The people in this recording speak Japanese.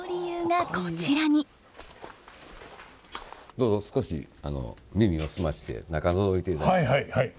どうぞ少し耳を澄まして中のぞいていただいて。